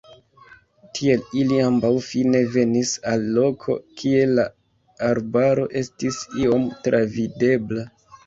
Tiel ili ambaŭ fine venis al loko, kie la arbaro estis iom travidebla.